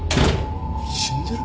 死んでる？